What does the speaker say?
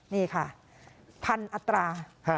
นี่ค่ะ๑๐๐๐อัตรา